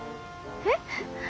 えっ？